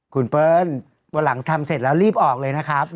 คุณเปิ้ลวันหลังทำเสร็จแล้วรีบออกเลยนะครับ